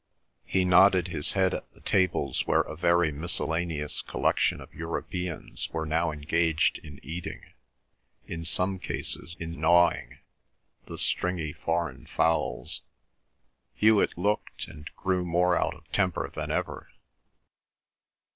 He nodded his head at the tables where a very miscellaneous collection of Europeans were now engaged in eating, in some cases in gnawing, the stringy foreign fowls. Hewet looked, and grew more out of temper than ever.